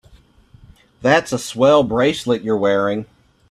That's a swell bracelet you're wearing.